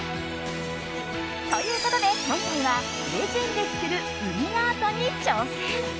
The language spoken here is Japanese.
ということで、今回はレジンで作る海アートに挑戦。